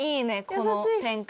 この展開。